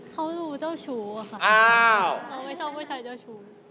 เขาดูเจ้าชู้อะค่ะเขาไม่ชอบผู้ชายเจ้าชู้